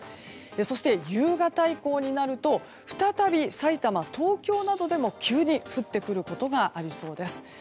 そして、夕方以降になると再びさいたま、東京などでも急に降ってくることがありそうです。